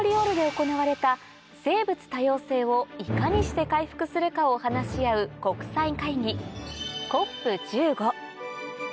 行われた生物多様性をいかにして回復するかを話し合う国際会議ＣＯＰ１５